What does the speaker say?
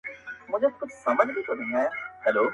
کيسه د يوې نجلۍ له نوم سره تړلې پاتې کيږي,